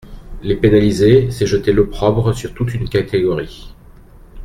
Les pénaliser, c’est jeter l’opprobre sur toute une catégorie.